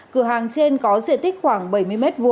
cửa hàng trên có diện tích khoảng bảy mươi m hai